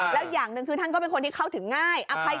แล้วอย่างหนึ่งคือท่านก็เป็นคนที่เข้าถึงง่าย